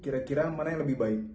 kira kira mana yang lebih baik